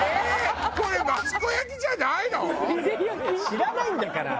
知らないんだから。